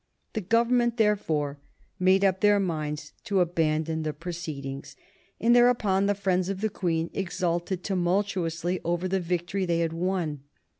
The Government, therefore, made up their minds to abandon the proceedings, and thereupon the friends of the Queen exulted tumultuously over the victory they had won.